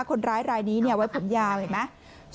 คนร้ายนี้เนี่ยไว้ผมยาวเห็นไหม